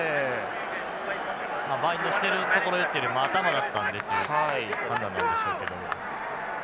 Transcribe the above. バインドしてるところっていうよりも頭だったんでっていう判断なんでしょうけども。